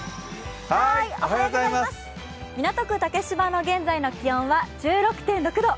港区竹芝の現在の気温は１６．６度。